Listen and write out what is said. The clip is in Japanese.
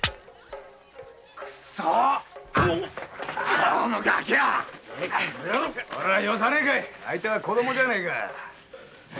このガキはよさねぇかい相手は子供じゃねぇか。